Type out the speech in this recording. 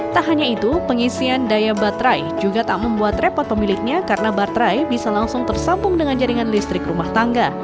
tak hanya itu pengisian daya baterai juga tak membuat repot pemiliknya karena baterai bisa langsung tersambung dengan jaringan listrik rumah tangga